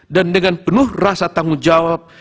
dan dengan penuh rasa tanggung jawab